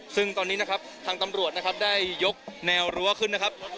ซึ่งตอนนี้นะครับทางตำรวจนะครับได้ยกแนวรั้วขึ้นนะครับ